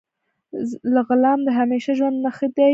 له غلام د همیشه ژوند نه ښه دی.